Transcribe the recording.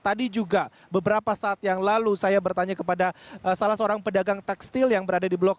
tadi juga beberapa saat yang lalu saya bertanya kepada salah seorang pedagang tekstil yang berada di blok